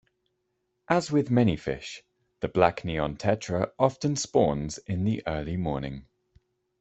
As with many fish, The black neon tetra often spawns in the early morning.